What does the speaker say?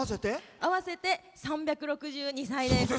合わせて３６２歳です。